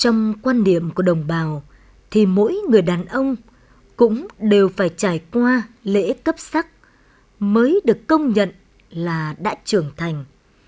trong quan điểm của đồng bào thì mỗi người đàn ông cũng đều phải trải qua lễ cấp sắc mới được công nhận là đã trưởng thành